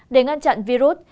để ngăn chặn virus